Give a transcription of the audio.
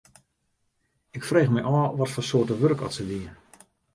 Ik frege my ôf watfoar soarte wurk oft se die.